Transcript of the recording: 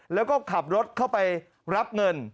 แล้วก็ขับรถเข้าไปรับเงิน